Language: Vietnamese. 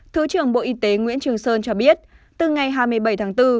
thứ trưởng bộ y tế nguyễn trường sơn cho biết từ ngày hai mươi bảy tháng bốn